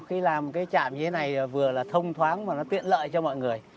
khi làm cái trạm như thế này vừa là thông thoáng và nó tiện lợi cho mọi người